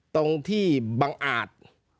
ตรงที่บังอาจ